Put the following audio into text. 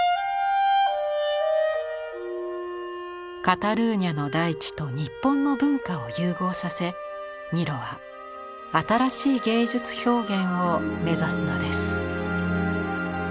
カタルーニャの大地と日本の文化を融合させミロは新しい芸術表現を目指すのです。